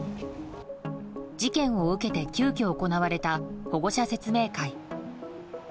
事件を受けて急きょ行われた保護者説明会。